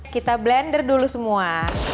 kita blender dulu semua